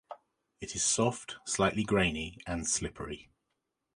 It is soft, slightly grainy, and slippery.